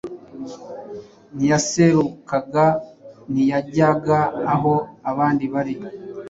Ntiyaserukaga: ntiyajyaga aho abandi bari